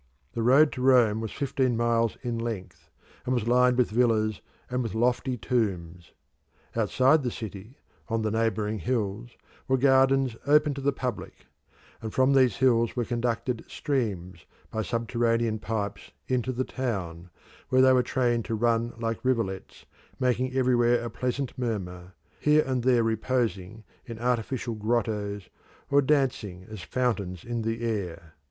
The road to Rome was fifteen miles in length, and was lined with villas and with lofty tombs. Outside the city, on the neighbouring hills, were gardens open to the public; and from these hills were conducted streams, by subterranean pipes, into the town, where they were trained to run like rivulets, making everywhere a pleasant murmur, here and there reposing in artificial grottoes or dancing as fountains in the air.